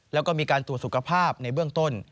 แล้วก็มีการตรวจสุขภาพในเบื้องต้น